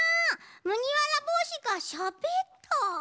むぎわらぼうしがしゃべった？